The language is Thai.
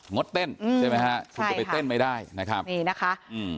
ดเต้นใช่ไหมฮะคุณจะไปเต้นไม่ได้นะครับนี่นะคะอืม